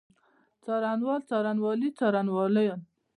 څارنوال، څارنوالي، څارنوالانو.